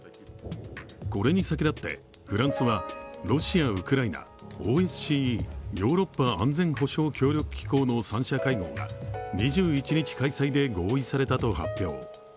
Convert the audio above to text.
これに先立ってフランスはロシア、ウクライナ、ＯＳＣＥ＝ヨーロッパ安全保障協力機構の三者会合が２１日開催で合意されたと発表。